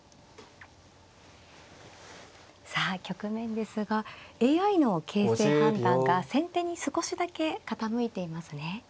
さあ局面ですがＡＩの形勢判断が先手に少しだけ傾いていますね。